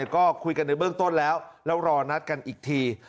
ก็คุยกันในเบื้องต้นแล้วแล้วรอนัดกันอีกที